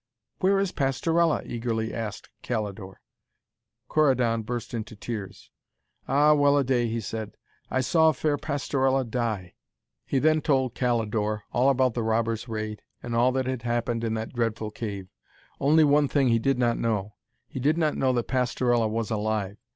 'Where is Pastorella?' eagerly asked Calidore. Corydon burst into tears. 'Ah, well a day,' he said, 'I saw fair Pastorella die!' He then told Calidore all about the robbers' raid, and all that had happened in that dreadful cave. Only one thing he did not know. He did not know that Pastorella was alive.